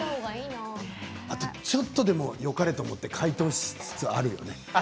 ちょっとでもよかれと思って、解凍しつつあるよね。